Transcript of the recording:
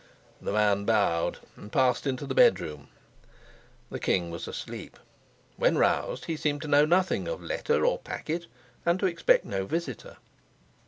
The man bowed and passed into the bedroom. The king was asleep; when roused he seemed to know nothing of letter or packet, and to expect no visitor.